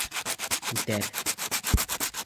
Күтәр!